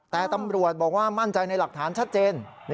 แต่ตำรวจบอกว่ามั่นใจในหลักฐานชัดเจน